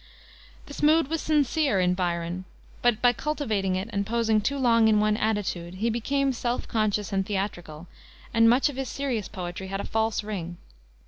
This mood was sincere in Byron; but by cultivating it, and posing too long in one attitude, he became self conscious and theatrical, and much of his serious poetry has a false ring.